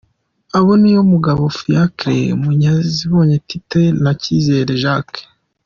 Abo ni Niyomugabo Fiacre, Munyaziboneye Tite na Cyizere Jacques.